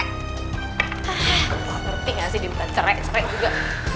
ngerti gak sih di rumah cerai cerai juga